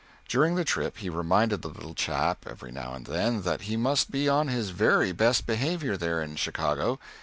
During the trip he reminded the little chap, every now and then, that he must be on his very best behavior there in Chicago.